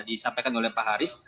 disampaikan oleh pak haris